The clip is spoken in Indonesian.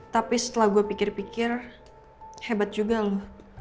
tapi setelah gue pikir pikir hebat juga loh